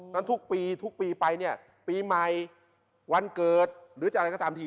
นั้นทุกปีทุกปีไปเนี่ยปีใหม่วันเกิดหรือจะอะไรก็ตามที